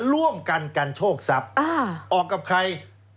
ร่วมกันกันโชคทรัพย์ออกกับใคร